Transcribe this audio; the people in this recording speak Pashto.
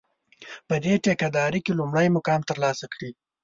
په دې ټېکه داري کې لومړی مقام ترلاسه کړي.